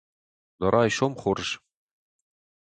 Дӕ райсом хорз!